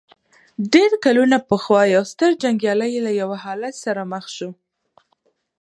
ډېر کلونه پخوا يو ستر جنګيالی له يوه حالت سره مخ شو.